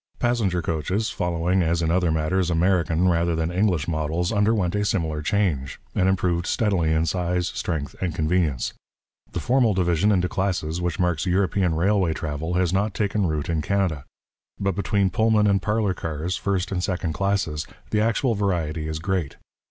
Passenger coaches, following, as in other matters, American rather than English models, underwent a similar change, and improved steadily in size, strength, and convenience. The formal division into classes which marks European railway travel has not taken root in Canada; but between Pullman and parlour cars, first and second classes, the actual variety is great.